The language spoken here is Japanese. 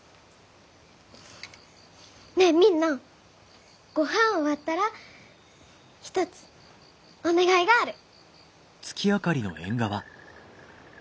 ねえみんなごはん終わったら一つお願いがある！